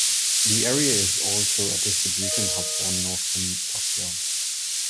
The area is also a distribution hub for northern Tokyo.